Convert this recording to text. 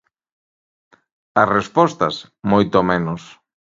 As respostas, moito menos.